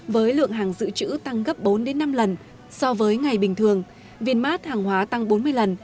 với lượng hàng dự trữ tăng gấp bốn năm lần so với ngày bình thường viên mát hàng hóa tăng bốn mươi lần